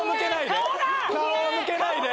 顔を向けないで！